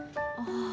ああ。